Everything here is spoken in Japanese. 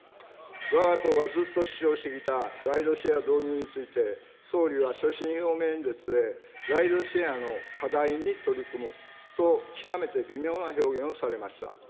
わが党がずっと主張してきたライドシェア導入について、総理は所信表明演説でライドシェアの課題に取り組むと極めて微妙な表現をされました。